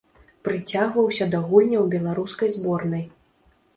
Прыцягваўся да гульняў беларускай зборнай.